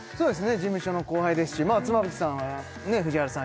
事務所の後輩ですし妻夫木さん藤原さん